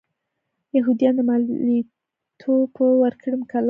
یهودیان د مالیاتو په ورکړې مکلف و.